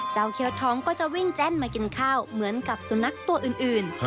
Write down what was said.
เคี้ยวท้องก็จะวิ่งแจ้นมากินข้าวเหมือนกับสุนัขตัวอื่น